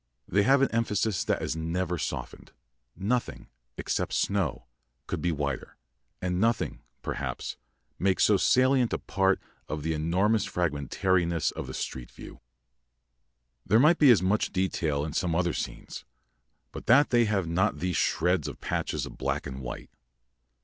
They have an emphasis that is never softened; nothing, except snow, could be whiter; and nothing, perhaps, makes so salient a part of the enormous fragmentariness of the street view. [Illustration: AN IMPRESSION.] There might be as much detail in some other scenes, but that they have not these shreds and patches of black and white.